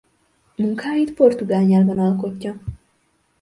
Munkáit portugál nyelven alkotja.